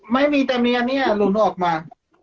ไม่มีแต่มีอันนี้หลุมออกมา